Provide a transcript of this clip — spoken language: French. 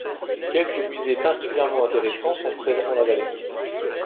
Quelques musées particulièrement intéressants sont présents dans la vallée.